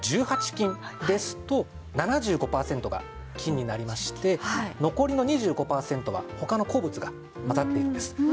金ですと７５パーセントが金になりまして残りの２５パーセントは他の鉱物が混ざっているんです。